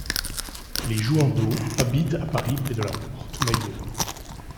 Les Jouhandeau habitent à Paris près de la porte Maillot.